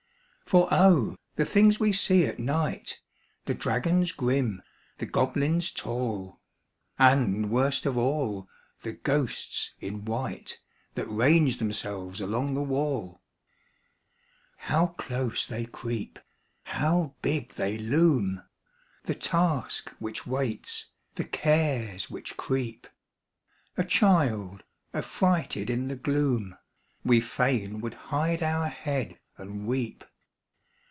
For O! the things we see at night The dragons grim, the goblins tall, And, worst of all, the ghosts in white That range themselves along the wall! How close they creep! How big they loom! The Task which waits, the Cares which creep; A child, affrighted in the gloom, We fain would hide our head and weep.